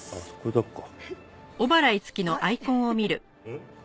ん？